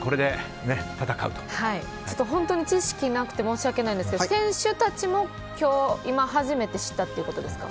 本当に知識なくて申し訳ないんですけど選手たちも今、初めて知ったということですか。